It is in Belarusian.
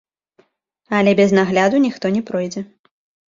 Але без надгляду ніхто не пройдзе.